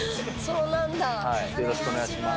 よろしくお願いします。